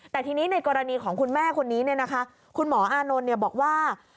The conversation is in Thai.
แต่ทีนี้ในกรณีของคุณแม่คนนี้คุณหมออานนท์บอกว่า